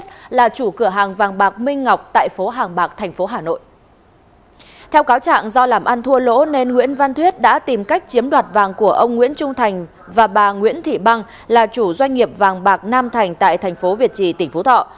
trước lỗ nền nguyễn văn thuyết đã tìm cách chiếm đoạt vàng của ông nguyễn trung thành và bà nguyễn thị băng là chủ doanh nghiệp vàng bạc nam thành tại thành phố việt trì tỉnh phú thọ